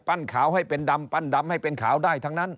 ขาวให้เป็นดำปั้นดำให้เป็นขาวได้ทั้งนั้น